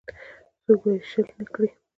څوک به یې شل نه کړي.